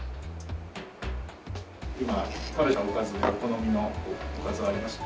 今食べたおかずでお好みのおかずはありましたか？